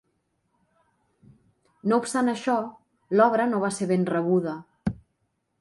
No obstant això, l'obra no va ser ben rebuda.